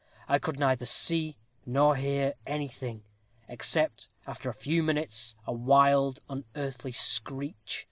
I could neither see nor hear anything, except after a few minutes, a wild unearthly screech.